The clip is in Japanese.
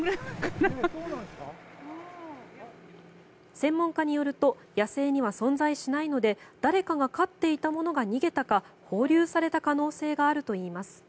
専門家によると野生には存在しないので誰かが飼っていたものが逃げたか放流された可能性があるといいます。